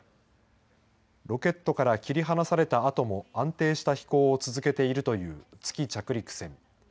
ロケットから切り離されたあとも安定した飛行を続けているという月着陸船。